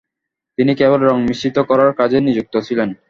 তিনি কেবল রঙ মিশ্রিত করার কাজেই নিযুক্ত ছিলেন।